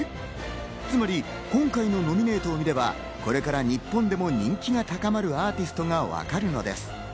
つまり今回のノミネートを見れば、これから日本でも人気が高まるアーティストがわかるのです。